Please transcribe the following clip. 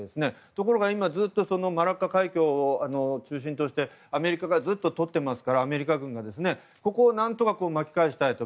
ところが今マラッカ海峡を中心としてアメリカ軍がずっととっていますからここを何とか巻き返したいと。